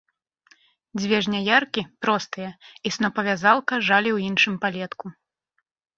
Дзве жняяркі, простыя, і снопавязалка жалі ў іншым палетку.